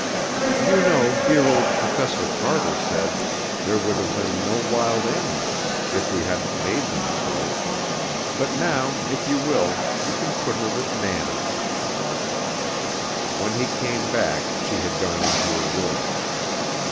"You know dear old Professor Carter said there would have been no wild animals if we hadn't made them so; but now, if you will, you can put her with Nannie." When he came back she had gone into her room.